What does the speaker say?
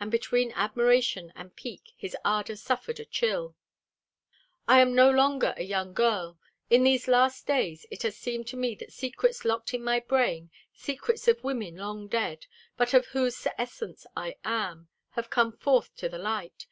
And between admiration and pique, his ardor suffered a chill. "I am no longer a young girl. In these last days it has seemed to me that secrets locked in my brain, secrets of women long dead, but of whose essence I am, have come forth to the light.